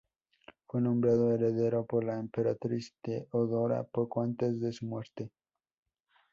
Fue nombrado heredero por la emperatriz Teodora, poco antes de su muerte.